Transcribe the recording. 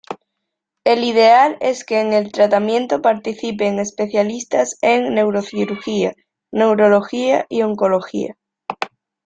El ideal es que en el tratamiento participen especialistas en neurocirugía, neurología y oncología.